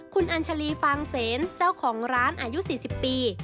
คุณอัญชาลีฟางเสนเจ้าของร้านอายุ๔๐ปี